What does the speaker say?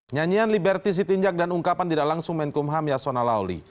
nyanyian liberty sitinjak dan ungkapan tidak langsung menkumham yasona lawli